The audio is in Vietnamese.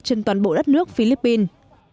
trên toàn bộ đất nước philippines